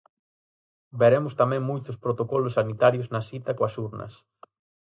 Veremos tamén moitos protocolos sanitarios na cita coas urnas.